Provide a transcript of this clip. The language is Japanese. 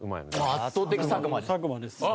圧倒的作間です。